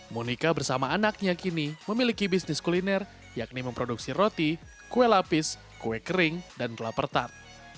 monica bersama anaknya kini memiliki bisnis kuliner yakni memproduksi roti kue lapis kue kering dan gelap pertart